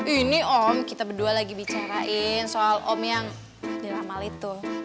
ini om kita berdua lagi bicarain soal om yang diramal itu